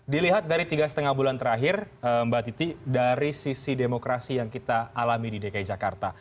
dilihat dari tiga lima bulan terakhir mbak titi dari sisi demokrasi yang kita alami di dki jakarta